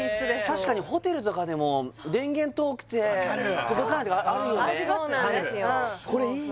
確かにホテルとかでも電源遠くて分かる届かないとかあるよねそうなんですよ